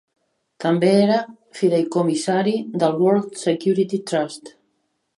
També era fideïcomissari del World Security Trust.